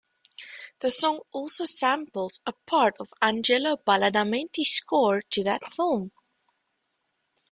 The song also samples a part of Angelo Badalamenti's score to that film.